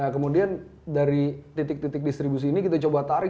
kemudian dari titik titik distribusi ini kita coba tarik